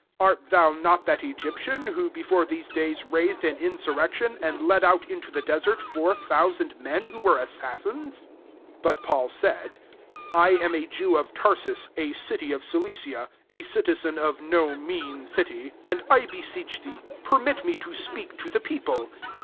38 Art thou not that Egyptitn, who before these days raised an insurrection, and led out in to the desert four thousand men who were assassins ?'' 39 Bat Paul said, " 1 am a Jew of Tarsus, a city of Cilicia ; a ci tizen of no mean city : and I * See cbap> xy. 20. oote* ACTS XXII. 239 beseech thee, permit me to speak to the people."